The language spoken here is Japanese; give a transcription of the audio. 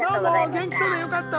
元気そうでよかった。